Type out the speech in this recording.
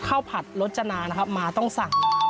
ข้าวผัดรสจนานะครับมาต้องสั่งนะครับ